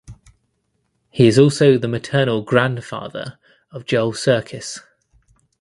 He is also the maternal grandfather of Joel Sirkis.